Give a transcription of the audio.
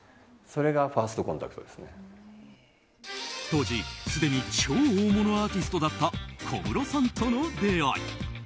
当時、すでに超大物アーティストだった小室さんとの出会い。